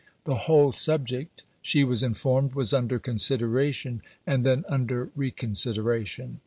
The whole subject, she was informed, was under consideration, and then under reconsideration.